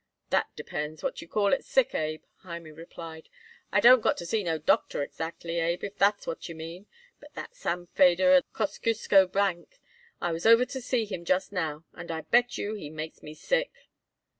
"That depends what you call it sick, Abe," Hymie replied. "I don't got to see no doctor exactly, Abe, if that's what you mean. But that Sam Feder by the Kosciusko Bank, I was over to see him just now, and I bet you he makes me sick."